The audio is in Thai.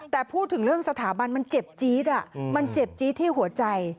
แต่พูดถึงเรื่องสถาบันมันเจ็บจี๊ดมันเจ็บจี๊ดที่หัวใจ